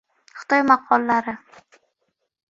Xitoy maqollari